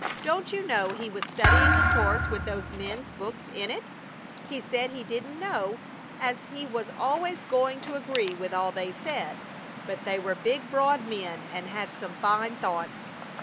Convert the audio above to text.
Don't you know he was studying a course with those men's books in it? He said he didn't know as he was always going to agree with all they said, but they were big, broad men, and had some fine thoughts.